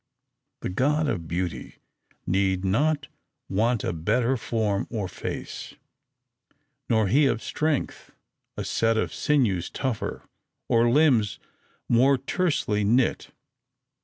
The god of Beauty need not want a better form or face; nor he of Strength a set of sinews tougher, or limbs more tersely knit.